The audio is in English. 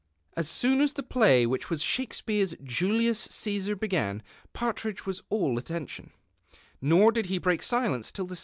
As soon as the play, which was Shakesi)eares Julius C(vsar, began, Partridge was all attention, nor did he break silence till the